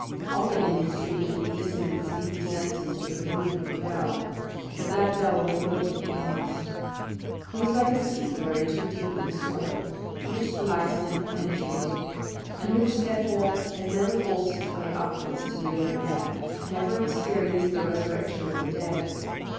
Often in his dream had he listened with sleepy senses to the ringing of the bell, but that bell would awake him at last. He was like a seed buried too deep in the soil, to which the light has never penetrated, and which, therefore, has never forced its way upwards to the open air, ever experienced the resurrection of the dead.